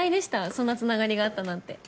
そんなつながりがあったなんて。